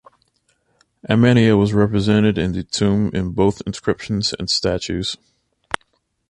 Amenia was represented in the tomb in both inscriptions and statues.